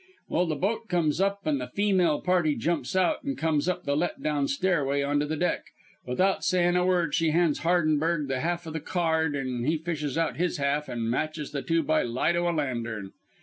"Well, the boat comes up an' the feemale party jumps out and comes up the let down stairway, onto the deck. Without sayin' a word she hands Hardenberg the half o' the card and he fishes out his half an' matches the two by the light o' a lantern.